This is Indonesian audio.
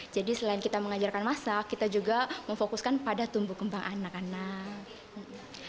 jadi selain kita mengajarkan masak kita juga memfokuskan pada tumbuh kembang anak anak